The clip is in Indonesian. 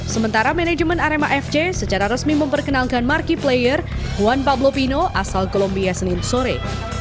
sementara manajemen arema fc secara resmi memperkenalkan marquee player juan pablo pino asal columbia senin sore